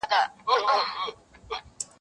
په ياغيانو کي منلى وو سردار وو